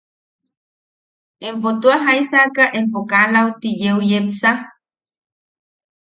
–¿Empo tua jaisaka empo kaa lauti yeu yepsa?